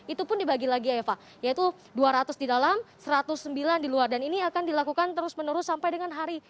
itu pun dibagi lagi eva yaitu dua ratus di dalam satu ratus sembilan di luar dan ini akan dilakukan terus menerus sampai dengan hari